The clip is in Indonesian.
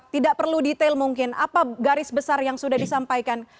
tidak perlu detail mungkin apa garis besar yang sudah disampaikan